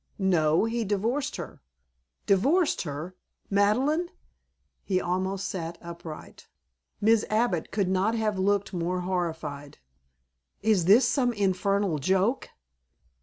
"No, he divorced her." "Divorced her? Madeleine?" He almost sat upright. Mrs. Abbott could not have looked more horrified. "Is this some infernal joke?"